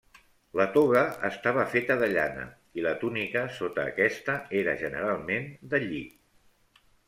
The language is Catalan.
La toga estava feta de llana, i la túnica sota aquesta era generalment de lli.